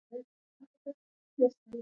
کله هم د هندوکش هاخوا نه وو اوښتي